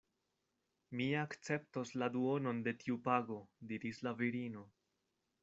Mi akceptos la duonon de tiu pago diris la virino.